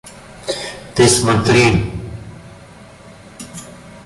Ты смотри.